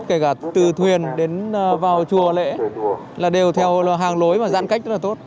kể cả từ thuyền đến vào chùa lễ là đều theo hàng lối và giãn cách rất là tốt